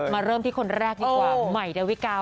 เริ่มที่คนแรกดีกว่าใหม่ดาวิกา